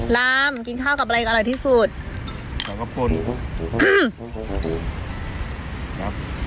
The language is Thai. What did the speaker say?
ล้ามกินข้าวกับอะไรอร่อยที่สุด